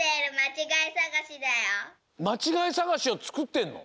まちがいさがしをつくってるの？